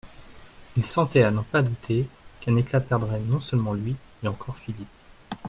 Il sentait, à n'en pas douter, qu'un éclat perdrait non seulement lui, mais encore Philippe.